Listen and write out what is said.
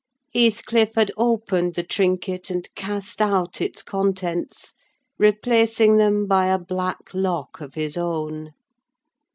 Heathcliff had opened the trinket and cast out its contents, replacing them by a black lock of his own.